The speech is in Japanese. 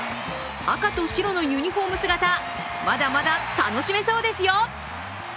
赤と白のユニフォーム姿、まだまだ楽しめそうですよ！